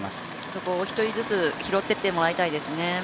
そこを１人ずつ拾っていってもらいたいですね。